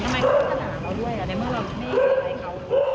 ทำไมเขาก็ด่าเขาด้วย